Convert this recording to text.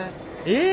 え！